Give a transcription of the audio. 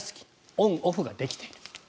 オン・オフができている。